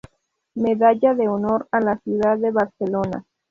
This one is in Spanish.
Medalla de Honor de la Ciudad de Barcelona